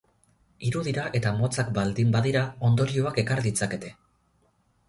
Hiru dira eta motzak baldin badira, ondorioak ekar ditzakete.